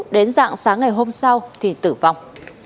đến dạng sáng ngày hôm sau thì tử vong